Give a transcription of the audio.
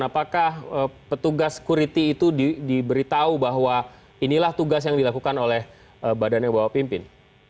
apakah petugas security itu diberitahu bahwa inilah tugas yang dilakukan oleh badan yang bapak pimpin